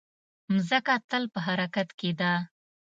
مځکه تل په حرکت کې ده.